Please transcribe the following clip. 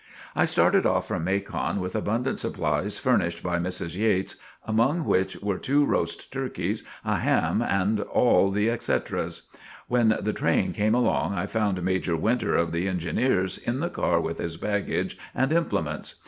I started off from Macon with abundant supplies furnished by Mrs. Yates, among which were two roast turkeys, a ham and "all the et ceteras." When the train came along I found Major Winter, of the Engineers, in the car with his baggage and implements.